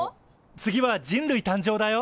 次は人類誕生だよ！